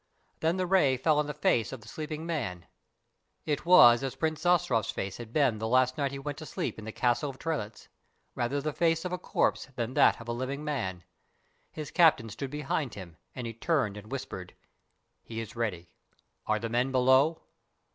Then the ray fell on the face of the sleeping man. It was as Prince Zastrow's face had been the last night he went to sleep in the Castle of Trelitz rather the face of a corpse than that of a living man. His captain stood behind him, and he turned and whispered: "He is ready. Are the men below?"